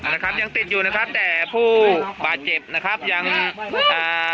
นะครับยังติดอยู่นะครับแต่ผู้บาดเจ็บนะครับยังอ่า